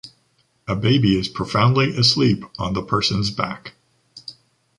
A baby is profoundly asleep on the person’s back.